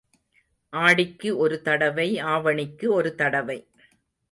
ஆடிக்கு ஒரு தடவை, ஆவணிக்கு ஒரு தடவை.